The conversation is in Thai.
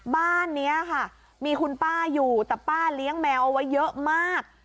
บ้านนี้ค่ะมีคุณป้าอยู่แต่ป้าเลี้ยงแมวเอาไว้เยอะมาก